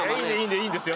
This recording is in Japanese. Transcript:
いいいいんですよ